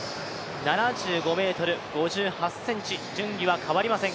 ７５ｍ５８ｃｍ、順位は変わりません。